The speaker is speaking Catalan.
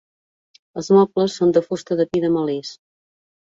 Els mobles són de fusta de pi de melis.